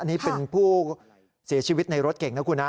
อันนี้เป็นผู้เสียชีวิตในรถเก่งนะคุณนะ